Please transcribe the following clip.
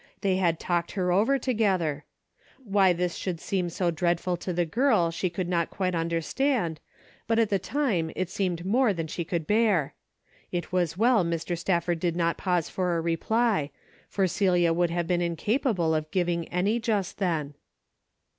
They had talked her over together. Why this should seem so dreadful to the girl she could not quite under stand, but at the time it seemed more than she could bear. It was well Mr. Stafford did not pause for a reply, for Celia would have been incapable of giving any just then.